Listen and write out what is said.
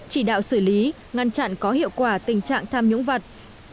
chỉ đạo xử lý ngăn chặn có hiệu quả tình trạng tham nhũng vật